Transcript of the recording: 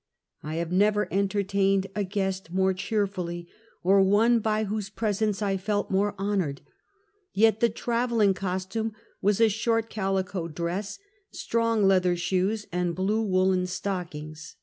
I have never entertained a guest more cheerfully, or one by whose presence I felt more hon ored; yet the traveling costume was a short calico dress, strong leather shoes and blue woolen stockings, 288 Half a Centuet.